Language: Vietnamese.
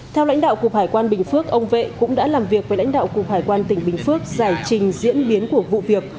theo lãnh đạo cục hải quan bình phước ông vệ cũng đã làm việc với lãnh đạo cục hải quan tỉnh bình phước giải trình diễn biến của vụ việc